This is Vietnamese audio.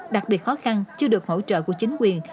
đặc biệt khó khăn chưa được hỗ trợ của chính quyền